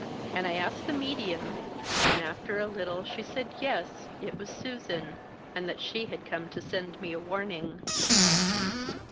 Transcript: And I asked the medium, and after a little, she said yes, it was Susan, and that she had come to send me a warning."